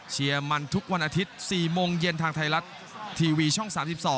เชียร์มันทุกวันอาทิตย์๔โมงเย็นทางไทยรัฐทีวีช่อง๓๒